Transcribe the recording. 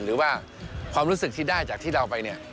หรือว่าความรู้สึกที่ได้จากที่เราไปเนี่ย